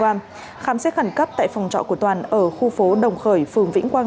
khám xét khẩn cấp tại phòng trọ của toàn ở khu phố đồng khởi phường vĩnh quang